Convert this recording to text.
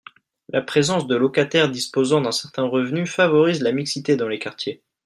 La présence de locataires disposant d’un certain revenu favorise la mixité dans les quartiers.